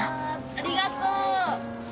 ありがとう。